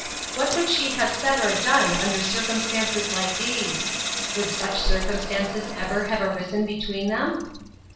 What would she have said or done under circumstances like these ? Would such circumstances ever have arisen between them